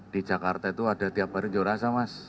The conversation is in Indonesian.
di jakarta itu ada tiap hari nyurasa mas